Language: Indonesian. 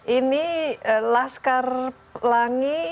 ini laskar langi